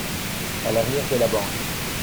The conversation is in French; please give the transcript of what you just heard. À l'arrière de la banque.